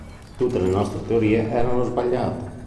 Tutte le nostre teorie erano sbagliate.